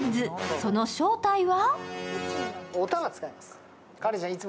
その正体は？